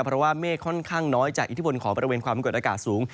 เพราะว่าเมฆค่อนข้างน้อยจากอิทธิพลของบริเวณความกดอากาศสูง